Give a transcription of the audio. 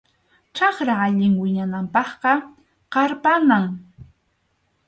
Chakra allin wiñananpaqqa qarpanam.